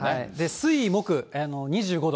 水、木、２５度。